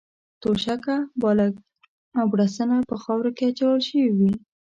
توشکه، بالښت او بړستنه په خاورو کې اچول شوې وې.